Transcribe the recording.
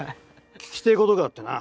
聞きてえことがあってな。